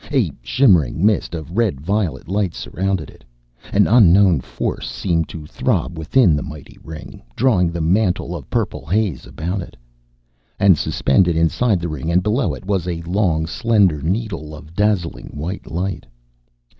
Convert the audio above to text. A shimmering mist of red violet light surrounded it. An unknown force seemed to throb within the mighty ring, drawing the mantle of purple haze about it. And suspended inside the ring and below it was a long, slender needle of dazzling white light.